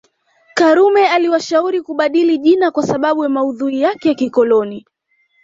Karume aliwashauri kubadili jina kwa sababu ya maudhui yake ya kikoloni